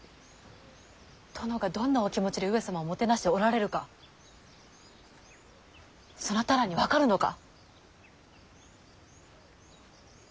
殿がどんなお気持ちで上様をもてなしておられるかそなたらに分かるのか。